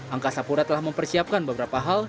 angkasa pura telah mempersiapkan beberapa hal